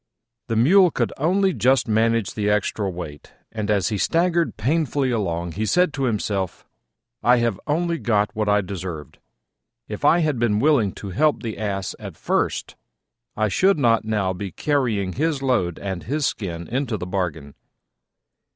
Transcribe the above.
The Mule could only just manage the extra weight, and, as he staggered painfully along, he said to himself, "I have only got what I deserved: if I had been willing to help the Ass at first, I should not now be carrying his load and his skin into the bargain."